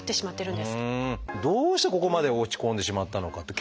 どうしてここまで落ち込んでしまったのかっていう。